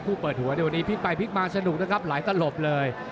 เปิดหัวในวันนี้พลิกไปพลิกมาสนุกนะครับหลายตลบเลย